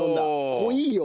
濃いよ！